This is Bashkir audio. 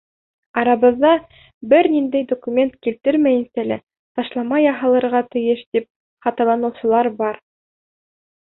Арабыҙҙа бер ниндәй документ килтермәйенсә лә ташлама яһалырға тейеш тип хаталаныусылар бар.